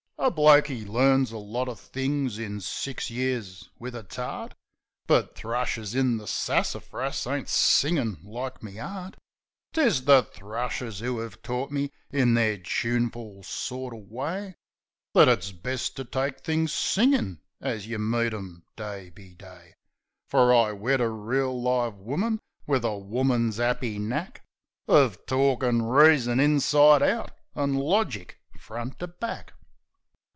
A bloke 'e learns a lot uv things in six years wiv a tart; But thrushes in the sassafras ain't singin' like me 'eart. 4 Washing Day 'Tis the thrushes 'oo 'ave tort me in their choonful sort o' way That it's best to take things singin' as yeh meet 'em day be day. Fer I wed a reel, live woman, wiv a woman's 'appy knack Uv torkin' reason inside out an' logic front to back.